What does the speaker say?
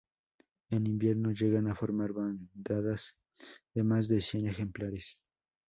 En invierno llegan a formar bandadas de más de cien ejemplares.